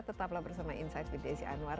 tetaplah bersama insight with desi anwar